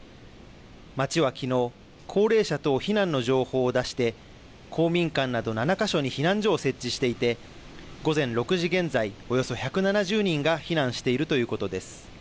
町はきのう、高齢者等避難の情報を出して、公民館など７か所に避難所を設置していて、午前６時現在、およそ１７０人が避難しているということです。